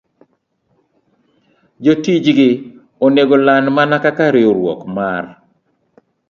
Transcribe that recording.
Jotichgi onego land mana kaka riwruok mar